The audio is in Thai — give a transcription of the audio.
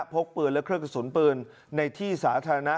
พกปืนและเครื่องกระสุนปืนในที่สาธารณะ